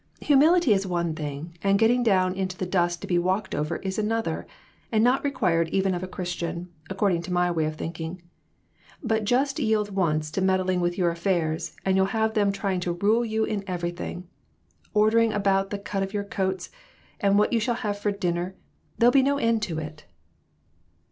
Humility is one thing, and getting down in the dust to be walked over is another, and not required even of a Christian, according to my way of thinking. But just yield once to meddling with your affairs, and you'll have them trying to rule you in everything ordering about the cut of your coats, and what you shall have for dinner; there'll be no end to it."